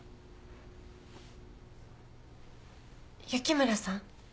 雪村さん？